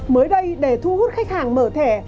mới đây để thu hút khách hàng mở thẻ